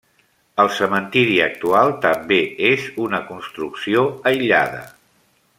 El Cementiri actual també és una construcció aïllada.